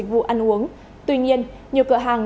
vụ ăn uống tuy nhiên nhiều cửa hàng